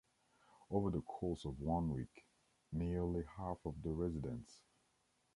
Over the course of one week, nearly half of the residents.